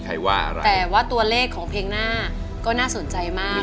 แต่ว่าตัวเลขของเพลงหน้าก็น่าสนใจมาก